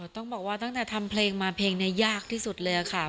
ต้องบอกว่าตั้งแต่ทำเพลงมาเพลงนี้ยากที่สุดเลยค่ะ